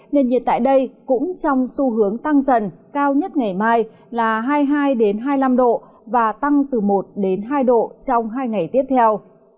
nền nhiệt tại đây cũng trong xu hướng tăng dần cao nhất ngày mai là hai mươi hai hai mươi năm độ và tăng từ một hai độ trong hai ngày tiếp theo